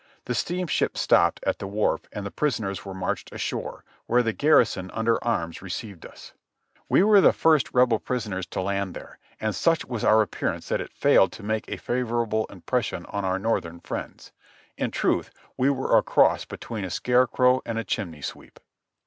The steamship stopped at the wharf and the prisoners were marched ashore, where the garrison under arms received us. We were the first Rebel pris M 210 JOHNNY RDB AND BILLY YANK oners to land there, and such was our appearance that it failed to make a favorable impression on our Northern friends. In truth, we were a cross between a scare crow and a chimney sweep.